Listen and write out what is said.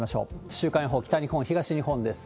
週間予報、北日本、東日本です。